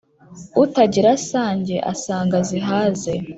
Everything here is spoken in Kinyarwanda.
Utagira sange, asanga zihaze: